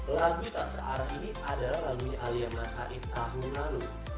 lagu taksa arab ini adalah lagunya aliyah mas sa'id tahun lalu